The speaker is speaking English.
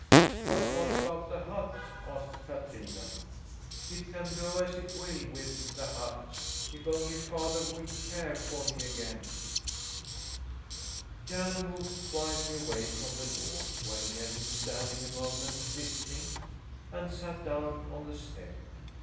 "But what about the hut?" asked Katrina. "It can go as it will with the hut, if only father will care for me again." Jan moved quietly away from the door, where he had been standing a moment, listening, and sat down on the step.